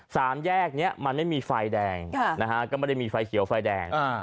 สามแยกนี้มันไม่มีไฟแดงนะฮะก็ไม่ได้มีไฟเขียวไฟแดงอ่า